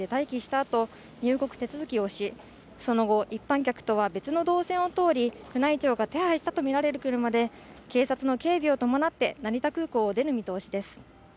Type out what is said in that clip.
あと入国手続きをし、その後一般客とは別の動線を通り宮内庁が手配したとみられる車で警察の警備を伴って成田空港を出る見通しです。